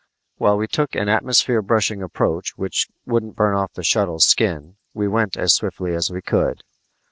While we took an atmosphere brushing approach which wouldn't burn off the shuttle's skin, we went as swiftly as we could.